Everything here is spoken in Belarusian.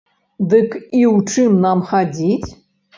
Дык і ў чым нам хадзіць?